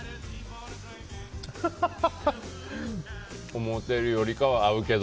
思ってるよりかは合うけど。